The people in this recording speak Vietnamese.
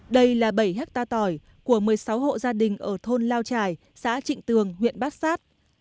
đây là bảy hectare tỏi của một mươi sáu hộ gia đình ở thôn lao trải xã trịnh tường huyện bát sát